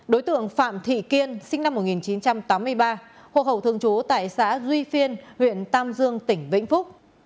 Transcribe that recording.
đối tượng phạm thị kiên sinh năm một nghìn chín trăm tám mươi ba hồ hậu thường chú tại xã duy phiên huyện tam dương tỉnh vĩnh phúc